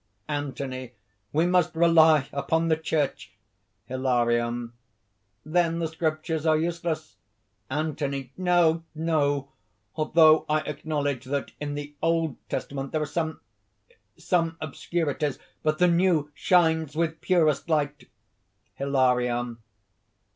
ANTHONY. "We must rely upon the Church!" HILARION. "Then the Scriptures are useless?" ANTHONY. "No! no! although I acknowledge that in the Old Testament there are some ... some obscurities. But the New shines with purest light." HILARION.